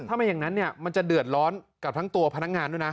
ถ้าไม่อย่างนั้นเนี่ยมันจะเดือดร้อนกับทั้งตัวพนักงานด้วยนะ